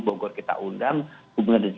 bogor kita undang gubernur